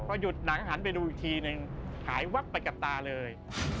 พอหยุดหนังหันไปดูอีกทีนึงหายวับไปกับตาเลย